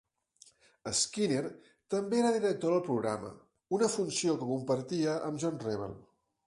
Skinner també era director del programa, una funció que compartia amb John Revell.